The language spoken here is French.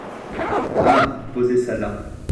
Ah ! posez ça là.